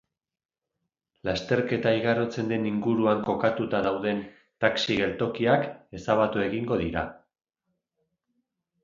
Lasterketa igarotzen den inguruan kokatuta dauden taxi-geltokiak ezabatu egingo dira.